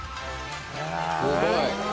すごいな。